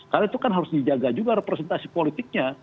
karena itu kan harus dijaga juga representasi politiknya